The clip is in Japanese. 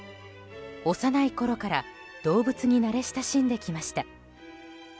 幼いころから動物に慣れ親しんできました。